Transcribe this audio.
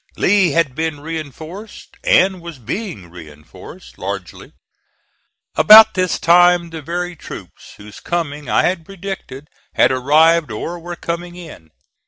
Lee had been reinforced, and was being reinforced, largely. About this time the very troops whose coming I had predicted, had arrived or were coming in.